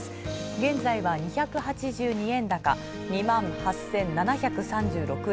現在は２８２円高２８７３６円。